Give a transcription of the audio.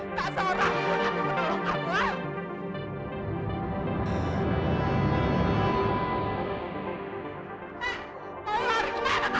tak seorang pun akan menolong kamu ah